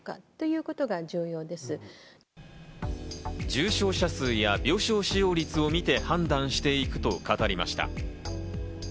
重症者数や病床使用率を見て判断していくと語りました。